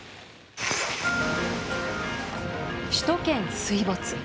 首都圏水没。